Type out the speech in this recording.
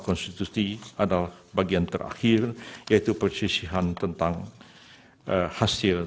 konstitusi adalah bagian terakhir yaitu persisihan tentang hasil